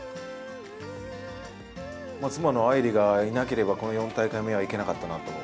妻の愛梨がいなければこの４大会目はいけなかったなと。